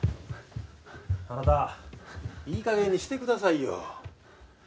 あなたいい加減にしてくださいよ。